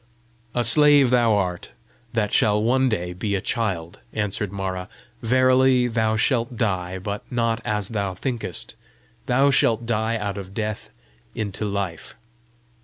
"A slave thou art that shall one day be a child!" answered Mara. "Verily, thou shalt die, but not as thou thinkest. Thou shalt die out of death into life.